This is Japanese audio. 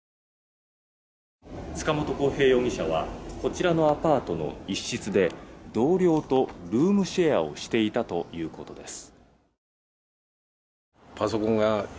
塚本晃平容疑者はこちらのアパートの一室で同僚とルームシェアをしていたということです。